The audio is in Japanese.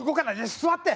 座って！